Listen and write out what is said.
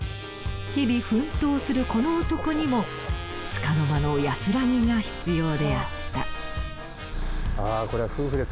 日々奮闘するこの男にもつかの間の安らぎが必要であった。